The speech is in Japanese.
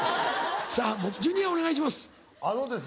さぁジュニアお願いします。